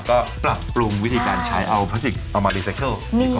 ก็ปรับปรุงวิธีการใช้เอาพลาสติกเอามารีไซเคิล